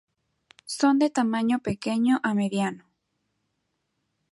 Son de tamaño pequeño a mediano.